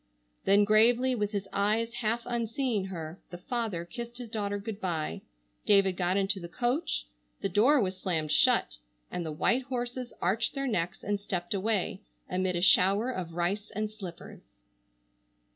Then gravely, with his eyes half unseeing her, the father kissed his daughter good bye, David got into the coach, the door was slammed shut, and the white horses arched their necks and stepped away, amid a shower of rice and slippers.